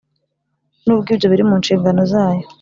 nubwo ibyo biri mu nshingano zayo